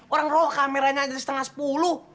orang roh kameranya aja setengah sepuluh